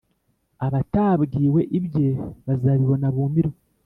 Abatabwiwe ibye bazabibona bumirwe